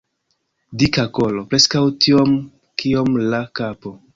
Dika kolo, preskaŭ tiom kiom la kapo.